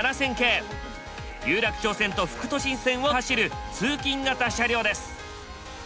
有楽町線と副都心線を走る通勤形車両です。